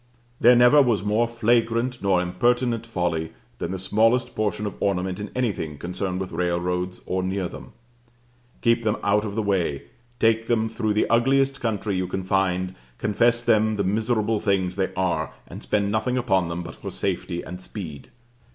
There never was more flagrant nor impertinent folly than the smallest portion of ornament in anything concerned with railroads or near them. Keep them out of the way, take them through the ugliest country you can find, confess them the miserable things they are, and spend nothing upon them but for safety and speed.